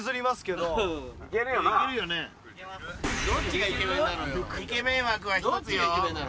どっちがイケメンなの？